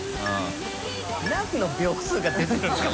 何の秒数が出てるんですか？